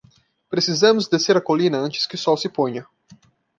Precisamos descer a colina antes que o sol se ponha.